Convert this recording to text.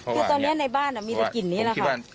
คือตอนนี้ในบ้านมีแต่กลิ่นนี้แหละค่ะ